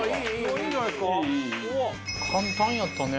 簡単やったね。